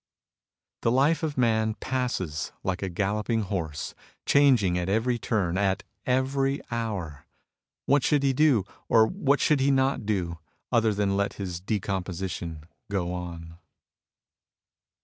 The life of man passes by like a galloping horse, changing at every turn, at every hour. What should he do, or what should he not do, other than let his decomposition go on